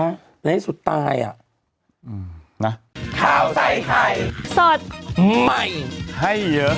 ในนี้สุดตายอ่ะอืมนะ